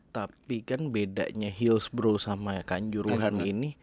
tapi kan bedanya hillsborough sama kanjuruhan ini